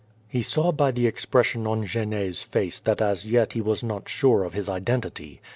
He saw by the expression on Genet's face that as yet he was not sure of his identity.